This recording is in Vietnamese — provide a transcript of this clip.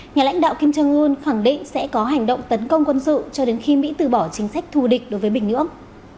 nhà lãnh đạo kim jong un khẳng định sẽ có hành động tấn công quân sự cho đến khi mỹ từ bỏ chính sách thù địch đối với bình nhưỡng